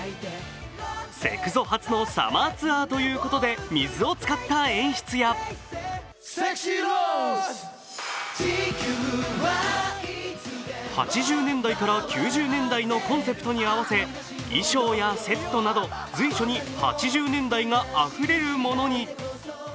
セクゾ初のサマーツアーということで水を使った演出や８０年代から９０年代のコンセプトに合わせ衣装やセットなど随所に８０年代があふれるものに。